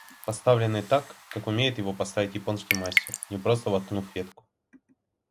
поставленной так, как умеет ее поставить японский мастер, – не просто воткнув ветку